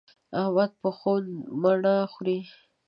احمد په خوند مڼه خوري.